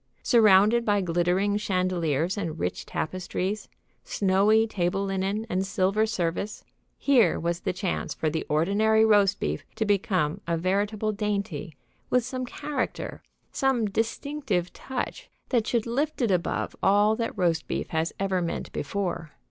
Surrounded by glittering chandeliers and rich tapestries, snowy table linen and silver service, here was the chance for the ordinary roast beef to become a veritable dainty, with some character, some distinctive touch that should lift it above all that roast beef has ever meant before.